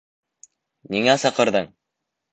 Ниңә саҡырҙың?